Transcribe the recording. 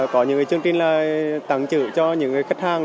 có những chương trình tặng chữ cho những khách hàng